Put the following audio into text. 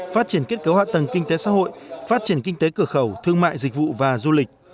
phát triển kết cấu hạ tầng kinh tế xã hội phát triển kinh tế cửa khẩu thương mại dịch vụ và du lịch